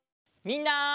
みんな！